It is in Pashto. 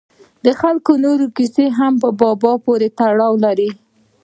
خلکو نورې کیسې هم په بابا پورې تړل.